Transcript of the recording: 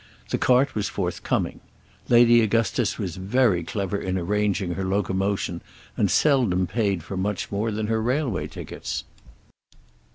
The cart was forthcoming. Lady Augustus was very clever in arranging her locomotion and seldom paid for much more than her railway tickets.